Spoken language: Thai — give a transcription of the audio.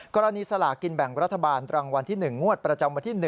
สลากินแบ่งรัฐบาลรางวัลที่๑งวดประจำวันที่๑